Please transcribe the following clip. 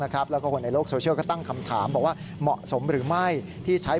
แล้วก็คนในโลกโซเชียลก็ตั้งคำถามบอกว่าเหมาะสมหรือไม่ที่ใช้